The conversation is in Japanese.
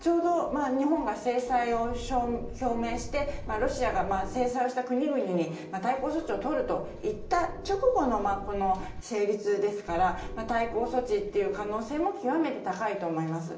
ちょうど日本が制裁を表明してロシアが制裁した国々に対抗措置をとるといった直後の成立ですから対抗措置という可能性も極めて高いと思います。